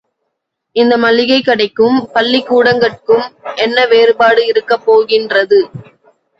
இந்த மளிகைக் கடைக்கும் பள்ளிக்கூடங்கட்கும் என்ன வேறுபாடு இருக்கப் போகின்றது?